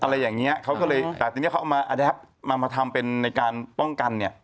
อะไรอย่างนี้เขาก็เลยแต่ตอนนี้เขาเอามามาทำเป็นในการป้องกัน